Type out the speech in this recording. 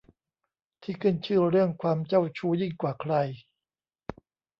ที่ขึ้นชื่อเรื่องความเจ้าชู้ยิ่งกว่าใคร